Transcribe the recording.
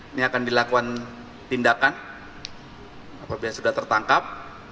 ini akan dilakukan tindakan apabila sudah tertangkap